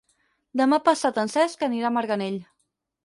Demà passat en Cesc anirà a Marganell.